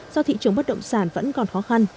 do thị trường bất động sản vẫn còn khó khăn